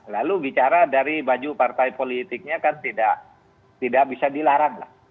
lalu bicara dari baju partai politiknya kan tidak bisa dilarang lah